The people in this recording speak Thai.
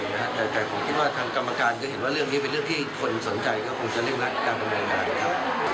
แต่ผมคิดว่าทางกรรมการก็เห็นว่าเรื่องนี้เป็นเรื่องที่คนสนใจก็คงจะเร่งรัดการดำเนินการครับ